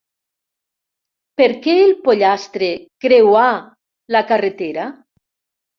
Per què el pollastre creuar la carretera?